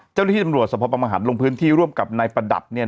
เจ้าลิธิจำนวจสมพบังหันฯลงพื้นที่ร่วมกับนายประดับ